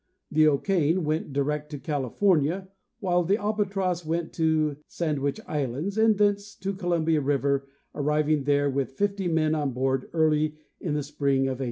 The O' Kain went direct to California, while the Albatross went to Sand wich islands and thence to Columbia river, arriving there with fifty men on board early in the spring of 1810.